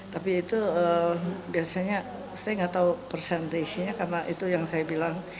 tapi itu biasanya saya nggak tahu persentasenya karena itu yang saya bilang